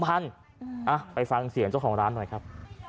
ไปฟังเสียงเจ้าของร้านหน่อยครับ